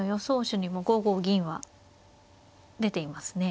手にも５五銀は出ていますね。